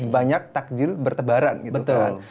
banyak takjil bertebaran gitu kan